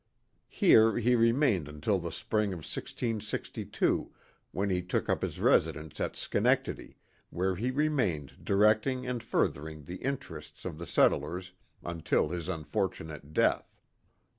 Here he remained until the spring of 1662, when he took up his residence at Schenectady, where he remained directing and furthering the interests of the settlers until his unfortunate death.